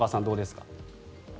どうですか。